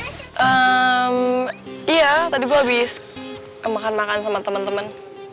ehm iya tadi gue habis makan makan sama temen temen